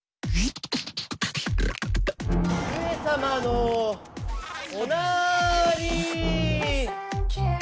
上様のおなーりー。